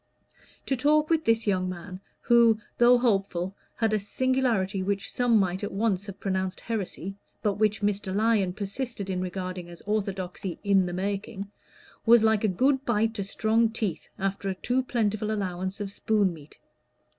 To talk with this young man, who, though hopeful, had a singularity which some might at once have pronounced heresy, but which Mr. Lyon persisted in regarding as orthodoxy "in the making," was like a good bite to strong teeth after a too plentiful allowance of spoon meat.